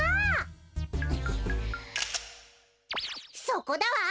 そこだわ！